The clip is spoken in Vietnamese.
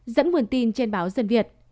dẫn nguồn tin trên báo dân việt